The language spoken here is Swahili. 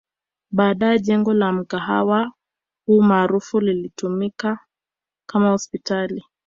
Baadae jengo la mgahawa huu maarufu lilitumika kama hospitali